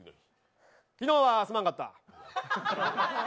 昨日はすまんかった。